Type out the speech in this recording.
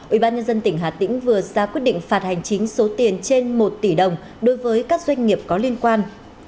ubnd tỉnh hà tĩnh vừa ra quyết định phạt hành chính số tiền trên một tỷ đồng đối với các doanh nghiệp có liên quan